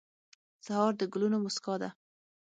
سهار د ګلونو موسکا ده.